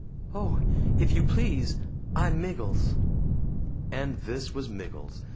"Oh, if you please, I'm Miggles!" And this was Miggles!